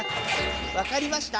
わかりました。